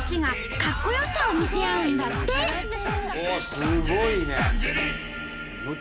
すごいね。